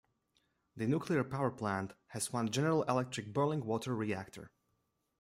The nuclear power plant has one General Electric boiling water reactor.